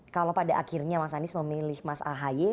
kalau pada akhirnya mas anies memilih mas ahy